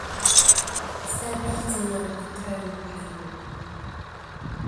Саб ихьӡала иҭаҩуп ҳаҩны.